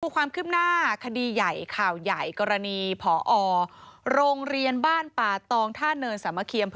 ความคืบหน้าคดีใหญ่ข่าวใหญ่กรณีผอโรงเรียนบ้านป่าตองท่าเนินสามะเคียม